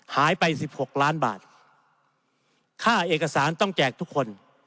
ไปสิบหกล้านบาทค่าเอกสารต้องแจกทุกคน